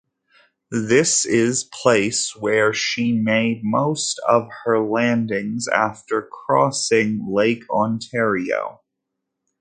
This is place where she made most of her landings after crossing Lake Ontario.